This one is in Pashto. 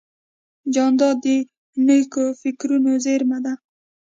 جانداد د نیکو فکرونو زېرمه ده.